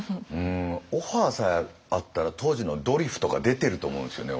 オファーさえあったら当時の「ドリフ」とか出てると思うんですよね